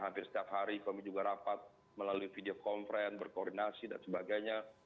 hampir setiap hari kami juga rapat melalui video conference berkoordinasi dan sebagainya